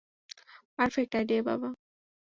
Perfect idea, বাবা।